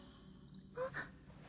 あっ。